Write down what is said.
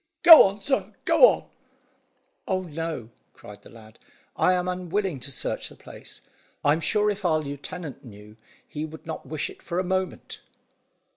"Go on, sir, go on!" "Oh, no!" cried the lad; "I am unwilling to search the place. I'm sure if our lieutenant knew he would not wish it for a moment."